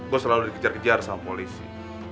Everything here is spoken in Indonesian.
gue selalu dikejar kejar sama polisi